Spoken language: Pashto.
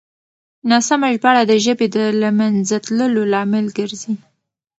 ناسمه ژباړه د ژبې د له منځه تللو لامل ګرځي.